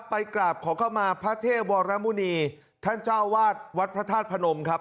กราบขอเข้ามาพระเทพวรมุณีท่านเจ้าวาดวัดพระธาตุพนมครับ